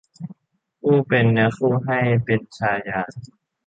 ผู้เป็นเนื้อคู่ให้เป็นชายา